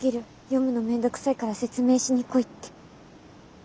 読むの面倒くさいから説明しに来いって！